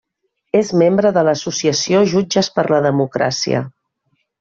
És membre de l'associació Jutges per la Democràcia.